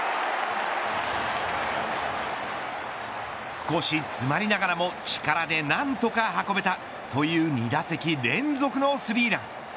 少し詰まりながらも力で何とか運べたという２打席連続のスリーラン。